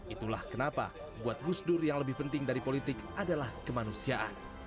itulah kenapa buat gus dur yang lebih penting dari politik adalah kemanusiaan